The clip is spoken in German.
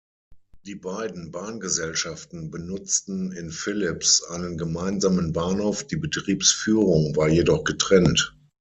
Die beiden Bahngesellschaften benutzten in Phillips einen gemeinsamen Bahnhof, die Betriebsführung war jedoch getrennt.